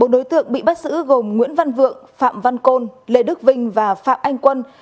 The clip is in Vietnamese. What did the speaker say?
sáu đối tượng bị bắt giữ gồm nguyễn văn vượng phạm văn côn lê đức vinh và phạm anh quân